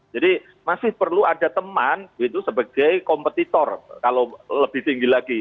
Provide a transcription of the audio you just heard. jadi masih perlu ada teman gitu sebagai kompetitor kalau lebih tinggi lagi